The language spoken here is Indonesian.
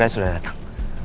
dampre sudah datang